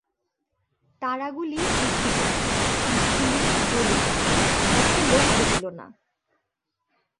তারাগুলি উঠিল, দীপগুলি জ্বলিল, পথে লোক রহিল না।